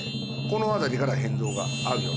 このあたりから変動がある。